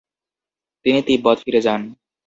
তিনি তিব্বত ফিরে যান।